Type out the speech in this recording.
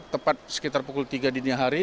tepat sekitar pukul tiga dini hari